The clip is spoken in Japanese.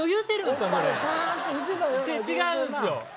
それ違うんすよ